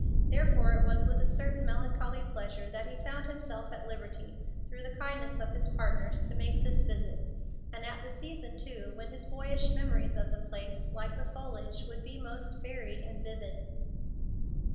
Therefore it was with a certain melancholy pleasure that he found himself at liberty, through the kindness of his partners, to make this visit, and at the season, too, when his boyish memories of the place, like the foliage, would be most varied and vivid.